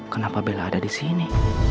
kenapa bella ada disini